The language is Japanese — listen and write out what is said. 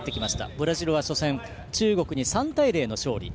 ブラジルは初戦中国に３対０の勝利。